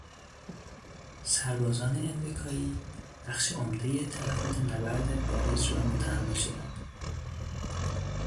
سربازان امریکایی بخش عمدهی تلفات نبرد بالج را متحمل شدند.